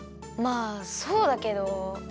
まあそうだけど。